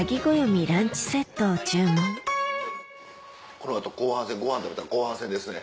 この後後半戦ご飯食べたら後半戦ですね。